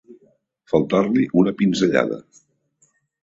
Faltar-li una pinzellada.